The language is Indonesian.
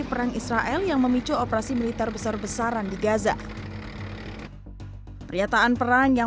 perang israel yang memicu operasi militer besar besaran di gaza pernyataan perang yang